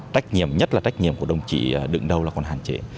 trách nhiệm nhất là trách nhiệm của đồng chỉ đựng đầu là còn hạn chế